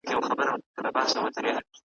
د هغه په دوه چنده عمر کي نه سي لیکلای .